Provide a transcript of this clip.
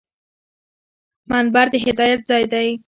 منبر د هدایت ځای دی